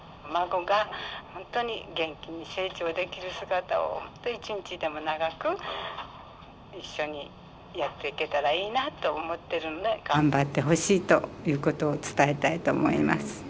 孫が本当に元気に成長できる姿を本当一日でも長く一緒にやっていけたらいいなって思ってるので頑張ってほしいということを伝えたいと思います。